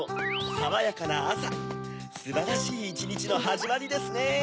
さわやかなあさすばらしいいちにちのはじまりですね！